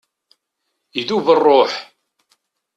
Idub rruḥ!